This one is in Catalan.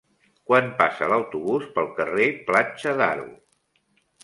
Quan passa l'autobús pel carrer Platja d'Aro?